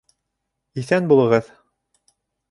Иҫән булығыҙ!